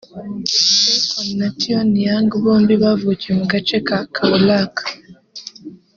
Akon na Thione Niang bombi bavukiye mu gace ka Kaolack